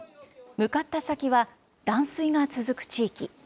向かった先は断水が続く地域。